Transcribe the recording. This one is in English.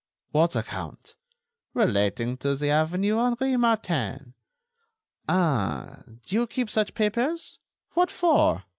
"What account?" "Relating to the avenue Henri Martin." "Ah! do you keep such papers? What for?"